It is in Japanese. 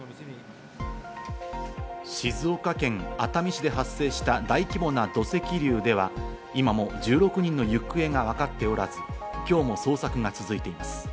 静岡県熱海市で発生した大規模な土石流では、今も１６人の行方が分かっておらず、今日も捜索が続いています。